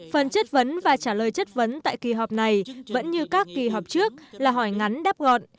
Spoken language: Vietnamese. phần chất vấn và trả lời chất vấn tại kỳ họp này vẫn như các kỳ họp trước là hỏi ngắn đáp gọn